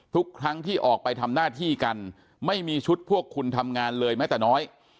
ทุกครั้งที่ออกไปทำหน้าที่กันไม่มีชุดพวกคุณทำงานเลยแม้แต่น้อย